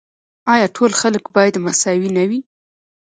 آیا ټول خلک باید مساوي نه وي؟